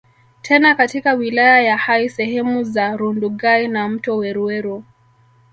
Tena katika wilaya ya Hai sehemu za Rundugai na mto Weruweru